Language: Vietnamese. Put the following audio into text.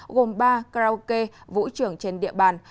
gồm bar karaoke vũ trường trên địa bàn